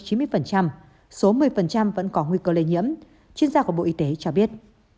số một mươi vẫn có nguy cơ lây nhiễm chuyên gia của bộ y tế cho biết